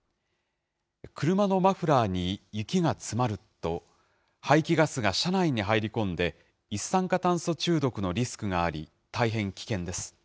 車のマフラーに雪が詰まると、排気ガスが車内に入り込んで、一酸化炭素中毒のリスクがあり、大変危険です。